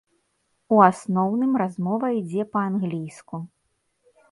У асноўным размова ідзе па-англійску.